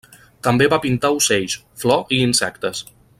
També va pintar ocells, flor i insectes.